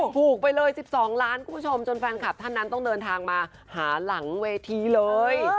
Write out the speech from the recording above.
ถูกไปเลย๑๒ล้านคุณผู้ชมจนแฟนคลับท่านนั้นต้องเดินทางมาหาหลังเวทีเลย